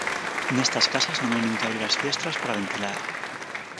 Nestas casas non hai nin que abrir as fiestras para ventilar.